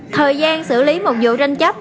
thời gian xử lý một vụ tranh chấp